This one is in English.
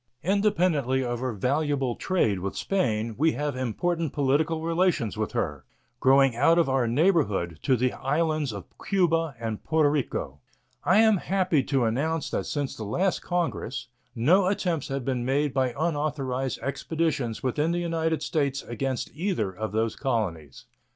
Independently of our valuable trade with Spain, we have important political relations with her growing out of our neighborhood to the islands of Cuba and Porto Rico. I am happy to announce that since the last Congress no attempts have been made by unauthorized expeditions within the United States against either of those colonies.